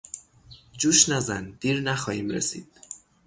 جوش نزن، دیر نخواهیم رسید!